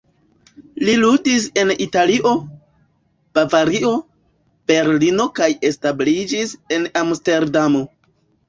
Li ludis en Italio, Bavario, Berlino kaj establiĝis en Amsterdamo.